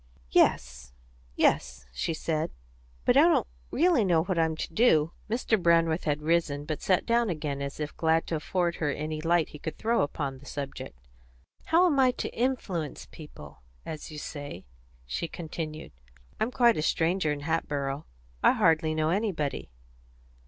"Yes, yes," she said; "but I don't really know what I'm to do." Mr. Brandreth had risen; but he sat down again, as if glad to afford her any light he could throw upon the subject. "How am I to 'influence people,' as you say?" she continued. "I'm quite a stranger in Hatboro'; I hardly know anybody."